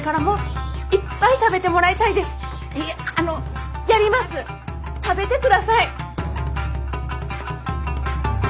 食べてください！